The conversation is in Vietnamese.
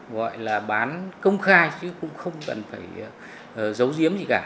gọi là bán công khai chứ cũng không cần phải giấu giếm gì cả